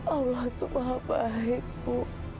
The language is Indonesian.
allah tuh maha baik bu